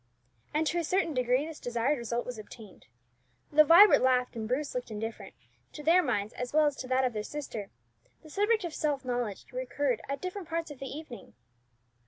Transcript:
And to a certain degree this desired result was obtained. Though Vibert laughed, and Bruce looked indifferent, to their minds, as well as to that of their sister, the subject of self knowledge recurred at different parts of the evening.